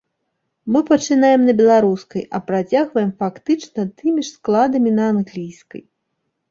Мы пачынаем на беларускай, а працягваем фактычна тымі ж складамі на англійскай.